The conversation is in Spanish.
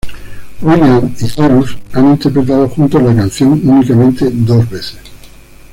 Will.i.am y Cyrus han interpretado juntos la canción únicamente dos veces.